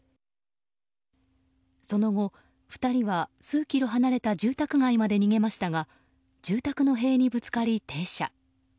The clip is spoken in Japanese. その後２人は、数キロ離れた住宅街まで逃げましたが住宅の塀にぶつかり、停車。